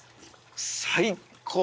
最高！